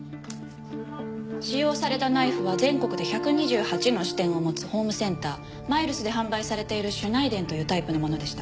使用されたナイフは全国で１２８の支店を持つホームセンターマイルスで販売されているシュナイデンというタイプのものでした。